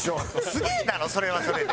すげえだろそれはそれで。